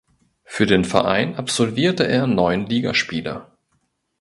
Für den Verein absolvierte er neun Ligaspiele.